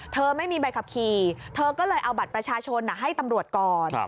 ไม่มีใบขับขี่เธอก็เลยเอาบัตรประชาชนให้ตำรวจก่อน